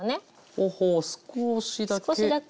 ほうほう少しだけ。